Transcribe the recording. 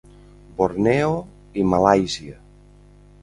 Borneo i Malàisia.